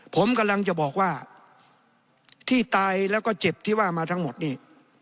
ผมกำลังจะบอกว่าที่ตายแล้วก็เจ็บที่ว่ามาทั้งหมดนี่